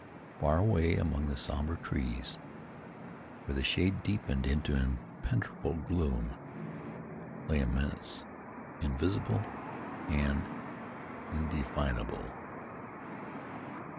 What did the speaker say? Far away among the somber trees, where the shade deepened into impenetrable gloom, lay a menace, invisible and indefinable.